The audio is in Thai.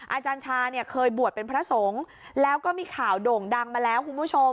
อาจารย์ชาเนี่ยเคยบวชเป็นพระสงฆ์แล้วก็มีข่าวโด่งดังมาแล้วคุณผู้ชม